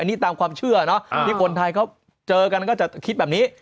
อันนี้ตามความเชื่อเนอะที่คนไทยเขาเจอกันก็จะคิดแบบนี้